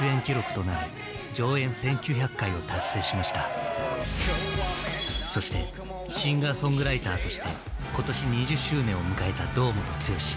今年そしてシンガーソングライターとして今年２０周年を迎えた堂本剛。